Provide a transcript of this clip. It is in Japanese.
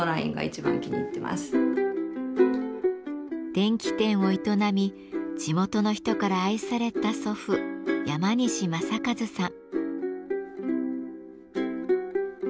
電気店を営み地元の人から愛された祖父・山西正一さん。